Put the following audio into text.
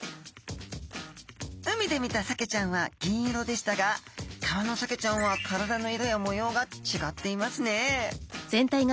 海で見たサケちゃんは銀色でしたが川のサケちゃんは体の色や模様がちがっていますねえ。